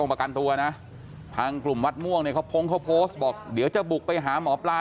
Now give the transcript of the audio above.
ประกันตัวนะทางกลุ่มวัดม่วงเนี่ยเขาพงเขาโพสต์บอกเดี๋ยวจะบุกไปหาหมอปลา